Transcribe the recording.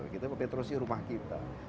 kita petro si rumah kita